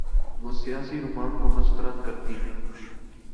وہ سیاسی رومان کو مسترد کرتی ہے۔